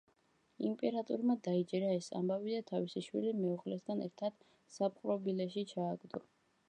იმპერატორმა დაიჯერა ეს ამბავი და თავისი შვილი, მეუღლესთან ერთად, საპყრობილეში ჩააგდო.